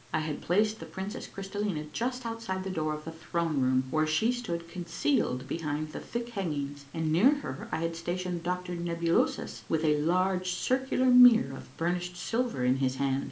I had placed the princess Crystallina just out side the door of the throne room where she stood concealed be hind the thick hangings, and near her I had stationed Doctor Nebulosus with a large circular mirror of burnished silver in his hand.